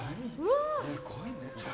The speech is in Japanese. すごいね。